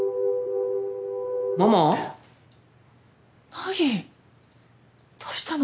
凪どうしたの？